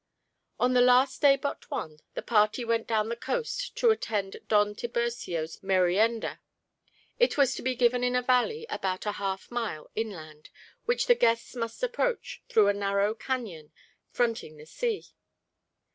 On the last day but one the party went down the coast to attend Don Tiburcio's merienda. It was to be given in a valley about a half mile inland, which the guests must approach through a narrow cañon fronting the sea.